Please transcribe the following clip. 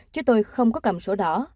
chứ tôi không có cầm sổ đỏ